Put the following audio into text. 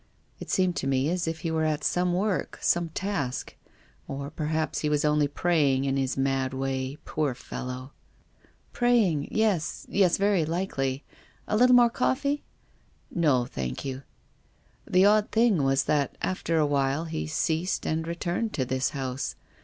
It seemed to me as if he were at some work, some task — or per haps he was only praying in his mad way, poor fellow !"" Praying — yes, yes, very likely. A little more coffee ?"" No, thank you. The odd thing was that after a while he ceased and returned to this house.